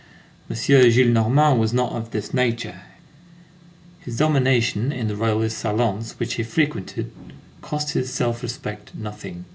M. Gillenormand was not of this nature; his domination in the Royalist salons which he frequented cost his self respect nothing.